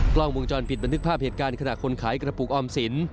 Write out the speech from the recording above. กล้องวงจรปิดบันทึกภาพเหตุการณ์ขณะคนขายกระปุกออมสิน